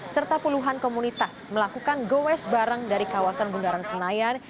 serta puluhan komunitas melakukan goes bareng dari kawasan bundaran senayan